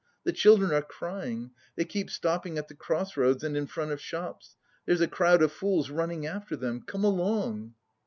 The children are crying. They keep stopping at the cross roads and in front of shops; there's a crowd of fools running after them. Come along!"